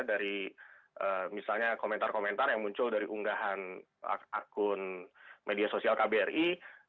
dari misalnya komentar komentar yang muncul dari unggahan akun media sosial kbri